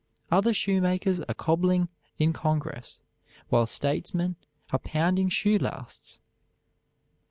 Other shoemakers are cobbling in Congress, while statesmen are pounding shoe lasts.